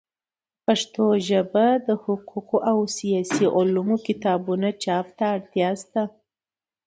په پښتو ژبه د حقوقو او سیاسي علومو د کتابونو چاپ ته اړتیا سته.